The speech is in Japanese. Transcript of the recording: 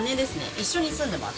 一緒に住んでます。